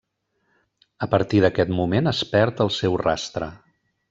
A partir d'aquest moment es perd el seu rastre.